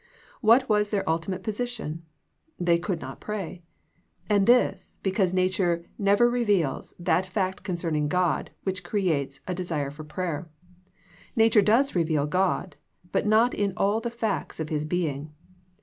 What was their ultimate position ? They could not pray. And this, because nature never reveals that fact concerning God which creates desire for prayer. Nature does reveal God, but not in all the facts of His Being.